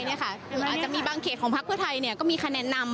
หรืออาจจะมีบางเขตของภาคประเทศไทยก็มีคะแนนนำ